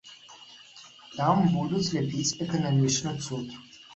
Там будуць ляпіць эканамічны цуд.